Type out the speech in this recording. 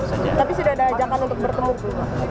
tapi sudah ada ajakan untuk bertemu